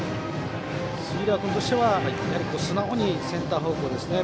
杉浦君としては素直にセンター方向ですね。